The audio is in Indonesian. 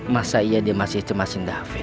masa iya dia masih cemasin david